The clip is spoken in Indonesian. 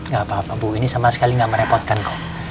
gak apa apa bu ini sama sekali nggak merepotkan kok